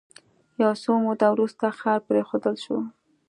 یو څه موده وروسته ښار پرېښودل شو